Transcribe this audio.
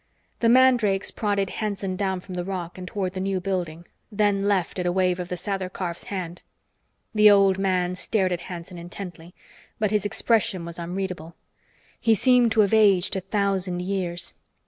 The mandrakes prodded Hanson down from the roc and toward the new building, then left at a wave of the Sather Karf's hand. The old man stared at Hanson intently, but his expression was unreadable. He seemed to have aged a thousand years.